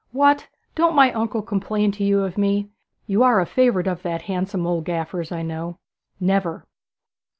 'What! don't my uncle complain to you of me? You are a favourite of that handsome, nice old gaffer's, I know.' 'Never.'